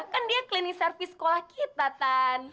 kan dia cleaning service sekolah kita tan